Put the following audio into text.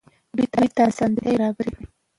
دوی ته اسانتیاوې برابرې کړئ.